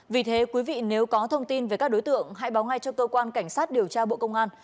vì thế quý vị nếu có thông tin về các đối tượng hãy báo ngay cho cơ quan cảnh sát điều tra bộ công an